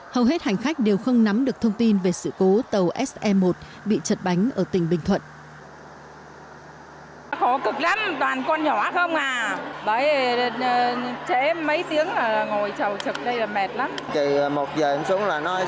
hầu hết hành khách đều không nắm được thông tin về sự cố tàu se một bị chật bánh ở tỉnh bình thuận